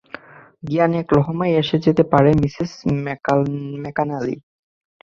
জ্ঞান এক লহমায় এসে যেতে পারে মিসেস ম্যাকনালি।